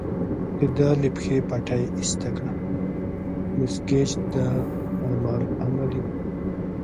د ده له پښې پټۍ ایسته کړه، مس ګېج دا امر عملي کړ.